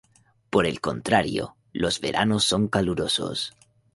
Por el contrario, los veranos son calurosos.